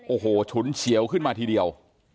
โอ้โหฉุนเฉียวขึ้นมาทีเดียว